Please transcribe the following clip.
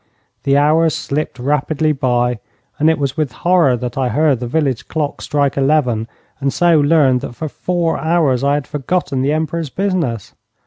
The hours slipped rapidly by, and it was with horror that I heard the village clock strike eleven, and so learned that for four hours I had forgotten the Emperor's business.